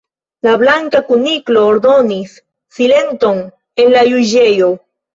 La Blanka Kuniklo ordonis: "Silenton en la juĝejo."